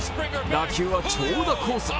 打球は長打コース。